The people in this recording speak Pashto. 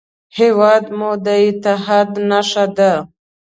هېواد مو د اتحاد نښه ده